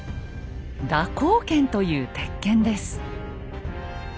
「蛇行剣」という鉄剣です。